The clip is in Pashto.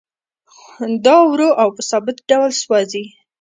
دا ورو او په ثابت ډول سوځي